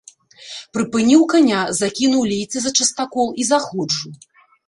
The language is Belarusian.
Прыпыніў каня, закінуў лейцы за частакол і заходжу.